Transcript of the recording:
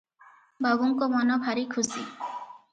ବାବୁଙ୍କ ମନ ଭାରି ଖୁସି ।